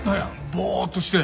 ボーッとして。